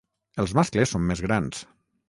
Els mascles són més grans.